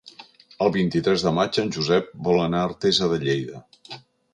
El vint-i-tres de maig en Josep vol anar a Artesa de Lleida.